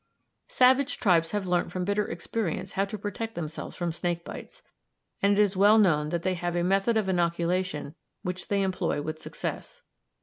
Savage tribes have learnt from bitter experience how to protect themselves from snake bites, and it is well known that they have a method of inoculation which they employ with success.